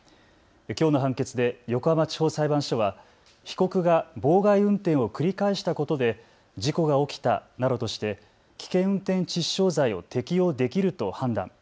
きょうの判決で横浜地方裁判所は被告が妨害運転を繰り返したことで事故が起きたなどとして危険運転致死傷罪を適用できると判断。